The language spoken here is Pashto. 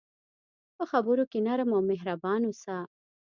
په خبرو کې نرم او مهربان اوسه.